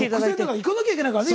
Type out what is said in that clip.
行かなきゃいけないからね。